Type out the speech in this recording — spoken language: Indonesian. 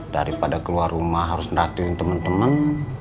daripada keluar rumah harus ngeraktifin temen temen